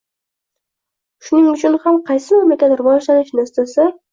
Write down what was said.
Shuning uchun ham qaysi mamlakat rivojlanishni istasa